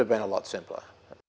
ini bisa menjadi lebih mudah